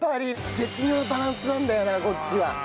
絶妙なバランスなんだよなこっちは。